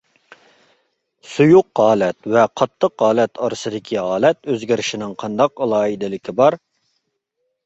سۇيۇق ھالەت ۋە قاتتىق ھالەت ئارىسىدىكى ھالەت ئۆزگىرىشىنىڭ قانداق ئالاھىدىلىكى بار؟